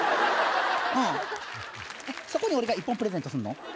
うんそこに俺が１本プレゼントすんの？